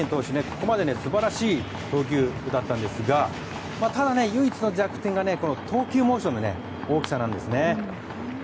ここまで素晴らしい投球だったんですがただ、唯一の弱点が投球モーションの大きさなんですね。